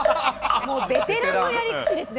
もうベテランのやり口ですね。